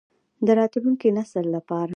د راتلونکي نسل لپاره.